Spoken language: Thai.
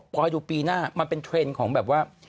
พอให้ดูปีหน้ามันเป็นเทรนด์ของแบบว่า